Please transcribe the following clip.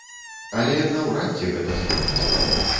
Але наўрад ці гэта зробіць.